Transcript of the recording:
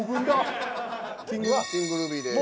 キングルビーです。